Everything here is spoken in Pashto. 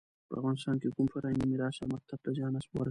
په افغانستان کې کوم فرهنګي میراث یا مکتب ته زیان ورسوي.